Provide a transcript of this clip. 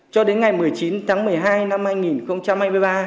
cho đến ngày một mươi chín tháng một mươi hai năm hai nghìn hai mươi ba